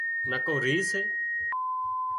نڪو ريهه سي